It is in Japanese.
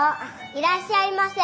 いらっしゃいませ！